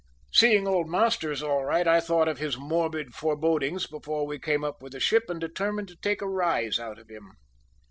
Seeing old Masters all right, I thought of his morbid forebodings before we came up with the ship, and determined to take a rise out of him.